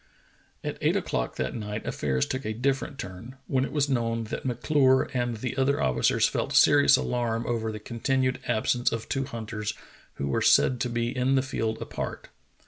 At eight o'clock that night affairs took a different turn, when it was known that M'Clure and the other officers felt serious alarm over the continued absence of two hunters who were said to be In the field apart.